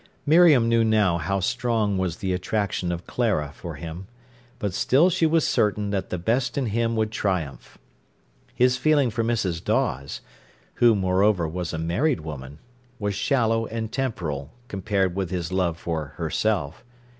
Miriam knew now how strong was the attraction of Clara for him; but still she was certain that the best in him would triumph. His feeling for Mrs. Dawes—who, moreover, was a married woman—was shallow and temporal, compared with his love for herself.